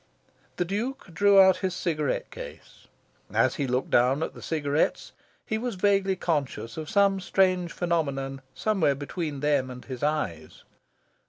The Duke drew out his cigarette case. As he looked down at the cigarettes, he was vaguely conscious of some strange phenomenon somewhere between them and his eyes.